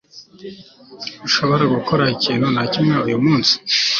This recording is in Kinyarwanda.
ntushobora gukora ikintu na kimwe uyu munsi